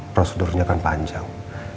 prosedurnya kan panjang